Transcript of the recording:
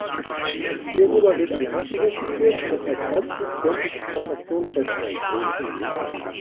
Hierüber wird ein Kassenbuch geführt, das als Hauptbuch sämtliche Transaktionen festhält.